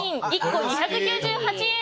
１個２９８円。